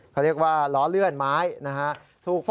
เขาเรียกว่าล้อเลื่อนไม้นะฮะ